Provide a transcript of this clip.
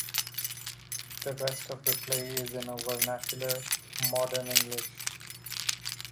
The rest of the play is in a vernacular, modern English.